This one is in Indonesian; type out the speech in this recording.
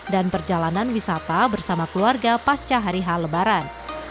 dan perjalanan wisata bersama keluarga pasca hari hal lebaran